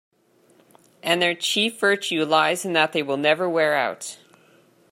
And their chief virtue lies in that they will never wear out.